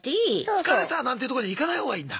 「疲れた」なんていうとこにいかない方がいいんだ？